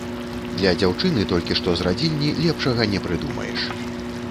Для дзяўчыны толькі што з радзільні лепшага не прыдумаеш.